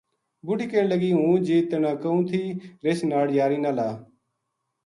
بڈھی کہن لگی " ہوں جی تنا کہوں تھی رچھ ناڑ یاری نہ لا"